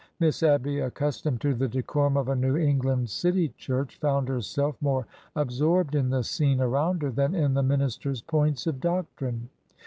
Miss Abby, accustomed to the decorum of a New England city church, found herself more absorbed 42 ORDER NO. 11 in the scene around her than in the minister's points of doctrine.